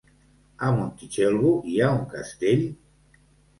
A Montitxelvo hi ha un castell?